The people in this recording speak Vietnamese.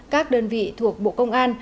các đơn vị thuộc bộ công an